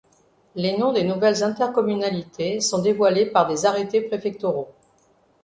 Les noms des nouvelles intercommunalités sont dévoilés par des arrêtés préfectoraux.